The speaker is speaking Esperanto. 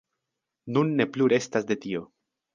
Nun ne plu restas de tio.